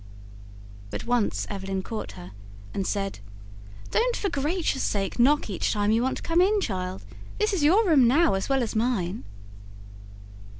But once Evelyn caught her and said: "Don't, for gracious' sake, knock each time you want to come in, child. This is your room now as well as mine."